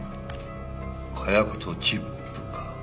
火薬とチップか。